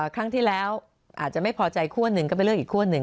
ครั้งที่แล้วอาจจะไม่พอใจคั่วหนึ่งก็ไปเลือกอีกขั้วหนึ่ง